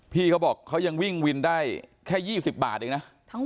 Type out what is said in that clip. พี่เขาบอกเขายังวิ่งวินได้แค่๒๐บาทเองนะ